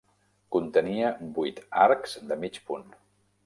Contenia vuit arcs de mig punt.